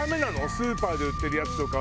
スーパーで売ってるやつとかを。